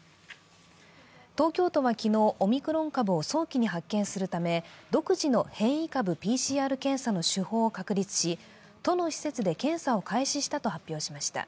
東京都は昨日、オミクロン株を早期に発見するため独自の変異株ＰＣＲ検査の手法を確立し、都の施設で検査を開始したと発表しました。